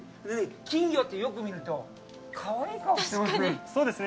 金魚ってよく見ると、かわいい顔してますね！